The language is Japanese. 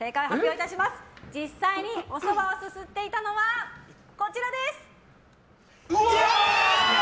実際におそばをすすっていたのはこちらです。